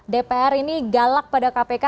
dpr ini galak pada kpk